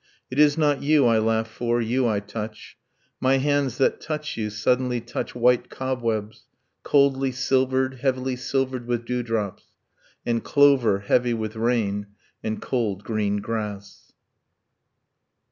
It is not you I laugh for, you I touch! My hands, that touch you, suddenly touch white cobwebs, Coldly silvered, heavily silvered with dewdrops; And clover, heavy with rain; and cold green grass.